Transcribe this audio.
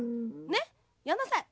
ねっ？やんなさい。